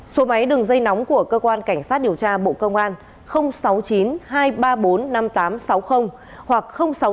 số máy đường dây nóng của cơ quan cảnh sát điều tra bộ công an sáu mươi chín hai trăm ba mươi bốn năm nghìn tám trăm sáu mươi hoặc sáu mươi chín hai trăm ba mươi hai một nghìn sáu trăm sáu mươi